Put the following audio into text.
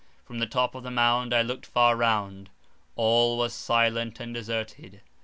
From the top of the mound, I looked far round—all was silent and deserted.